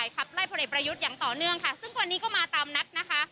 ค่ะซึ่งคนนี้ก็มาตามนัดนะคะ